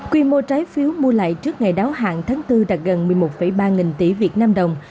quy mô trái phiếu mua lại trước ngày đáo hạng tháng bốn đạt gần một mươi một ba nghìn tỷ việt nam đồng